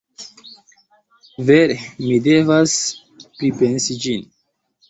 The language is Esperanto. Vere, mi devas pripensi ĝin.